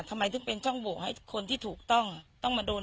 ทำไมถึงเป็นช่องโหวให้คนที่ถูกต้องต้องมาโดน